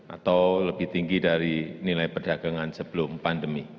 atau lebih tinggi dari nilai perdagangan sebelum pandemi